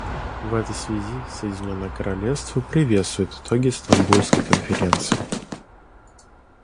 В этой связи Соединенное Королевство приветствует итоги Стамбульской конференции.